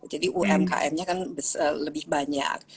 jadi umkm nya kan lebih banyak